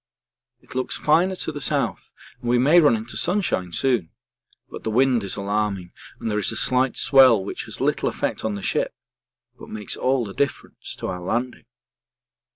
It looks finer to the south and we may run into sunshine soon, but the wind is alarming and there is a slight swell which has little effect on the ship, but makes all the difference to our landing.